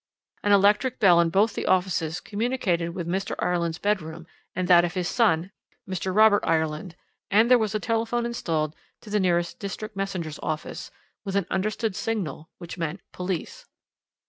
An electric bell in both the offices communicated with Mr. Ireland's bedroom and that of his son, Mr. Robert Ireland, and there was a telephone installed to the nearest district messengers' office, with an understood signal which meant 'Police.'